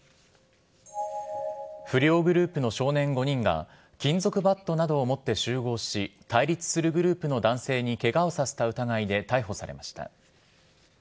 不良グループの少年５人が、金属バットなどを持って集合し、対立するグループの男性にけがをさせた疑いで逮捕されました。